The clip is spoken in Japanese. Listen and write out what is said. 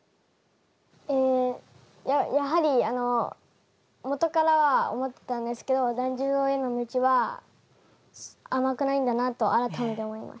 えやはり元から思ってたんですけど團十郎への道は甘くないんだなと改めて思いました。